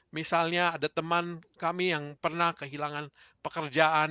misalnya ada teman kami yang pernah kehilangan pekerjaan